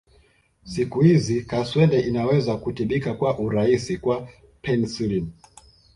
Siku hizi kaswende inaweza kutibika kwa urahisi kwa penicillin